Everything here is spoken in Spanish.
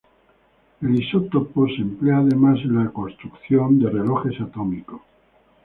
El isótopo se emplea además en la construcción de relojes atómicos.